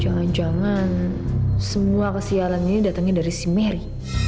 jangan jangan semua kesialan ini datangnya dari si mary